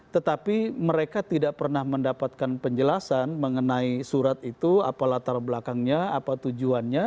tetapi mereka tidak pernah mendapatkan penjelasan mengenai surat itu apa latar belakangnya apa tujuannya